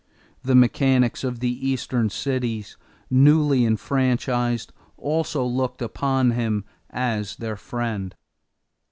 The mechanics of the Eastern cities, newly enfranchised, also looked upon him as their friend.